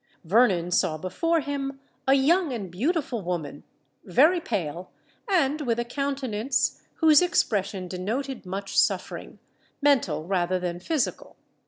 Vernon saw before him a young and beautiful woman, very pale, and with a countenance whose expression denoted much suffering—mental rather than physical.